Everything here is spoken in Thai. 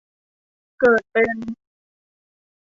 เกิดเป็น